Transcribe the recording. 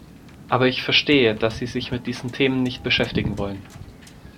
Aber ich verstehe, dass Sie sich mit diesen Themen nicht beschäftigen wollen.